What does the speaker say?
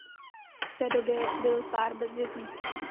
V té době byl pár bezdětný.